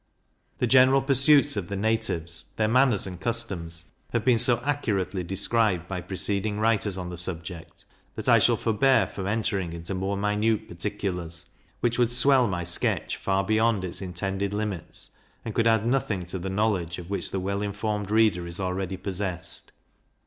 The general pursuits of the natives, their manners and customs, have been so accurately described by preceding writers on the subject, that I shall forbear from entering into more minute particulars, which would swell my sketch far beyond its intended limits, and could add nothing to the knowledge of which the well informed reader is already possessed.